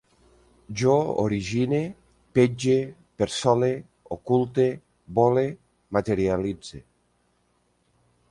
Jo origine, petge, persole, oculte, vole, materialitze